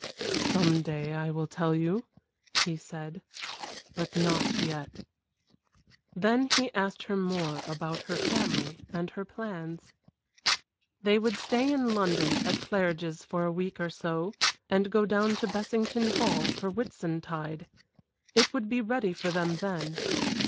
"Some day I will tell you," he said. "But not yet." Then he asked her more about her family and her plans. They would stay in London at Claridge's for a week or so, and go down to Bessington Hall for Whitsuntide. It would be ready for them then.